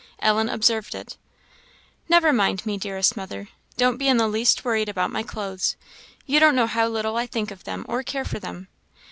Ellen observed it. "Never mind me, dearest mother; don't be in the least worried about my clothes. You don't know how little I think of them or care for them.